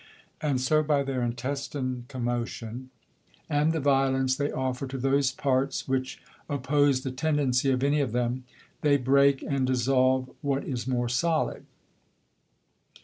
And so by their intestine Commotion, and the Violence they offer to those Parts which oppose the tendency of any of them, they break and dissolve what is more solid.